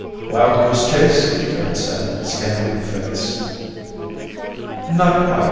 "Wild goose chase?" Joan said, scanning my face. "Not quite.